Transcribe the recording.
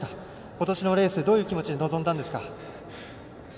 ことしのレースどういう気持ちで臨んだんですか。